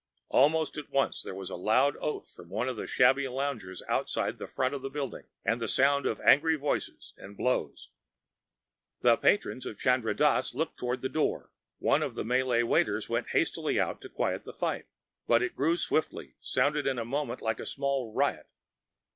Almost at once there was a loud oath from one of the shabby loungers outside the front of the building, and the sound of angry voices and blows. The patrons of Chandra Dass looked toward the door, and one of the Malay waiters went hastily out to quiet the fight. But it grew swiftly, sounded in a moment like a small riot.